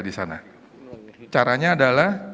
di sana caranya adalah